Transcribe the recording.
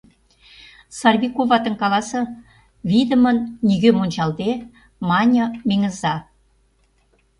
— Сарвий коватым каласе... — вийдымын, нигӧм ончалде, мане Меҥыза.